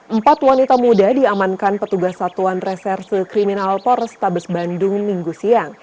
empat wanita muda diamankan petugas satuan reserse kriminal polrestabes bandung minggu siang